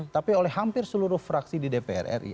tapi oleh hampir seluruh fraksi di dpr ri